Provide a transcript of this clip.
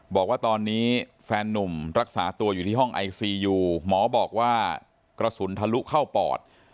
บอกว่าตอนนี้แฟนนุ่มรักษาตัวอยู่ที่ห้องไอซียูหมอบอกว่ากระสุนทะลุเข้าปอด